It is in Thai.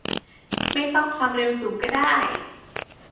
ไม่ต้องความเร็วสูงก็ได้